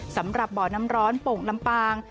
สำหรับบ่อน้ำร้อนโป่งลำปาง